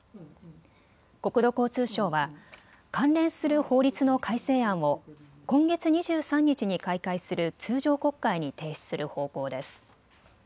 国土交通省は関連する法律の改正案を今月２３日に開会する通常国会に提出する方向です。